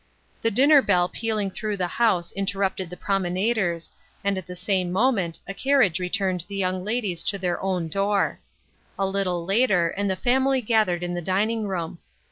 The dinner bell pealing through the house inter rupted the promenaders, and at the same moment a carriage returned the young ladies to their own door. A little later and the family gathered in the dining room.